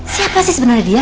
siapa sih sebenarnya dia